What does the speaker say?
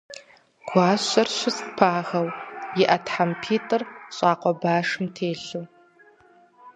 Гуащэр щыст пагэу, и Ӏэ тхьэмпитӀыр щӀакъуэ башым телъу.